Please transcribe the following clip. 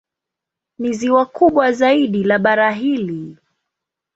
Ni ziwa kubwa zaidi la bara hili.